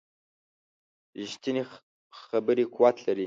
ریښتینې خبرې قوت لري